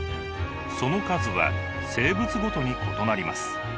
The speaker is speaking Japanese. その数は生物ごとに異なります。